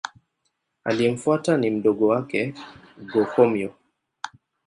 Aliyemfuata ni mdogo wake Go-Komyo.